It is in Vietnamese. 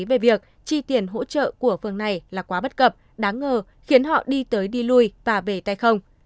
về việc chi tiền hỗ trợ của phường này là quá bất cập đáng ngờ khiến họ đi tới đi lui và về tay không